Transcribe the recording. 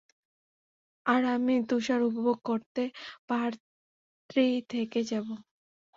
আর আমি তুষার উপভোগ করতে পাহাড়েই থেকে যাব।